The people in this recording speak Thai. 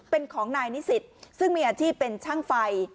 เป็นของนายนิสิตซึ่งมีอาชีพเป็นช่างไฟ